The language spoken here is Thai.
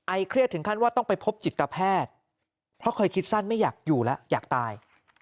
เครียดถึงขั้นว่าต้องไปพบจิตแพทย์เพราะเคยคิดสั้นไม่อยากอยู่แล้วอยากตาย